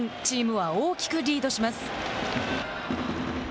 チームは大きくリードします。